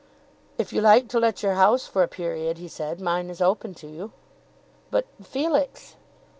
"If you like to let your house for a period," he said, "mine is open to you." "But, Felix?"